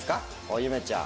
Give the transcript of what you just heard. ゆめちゃん。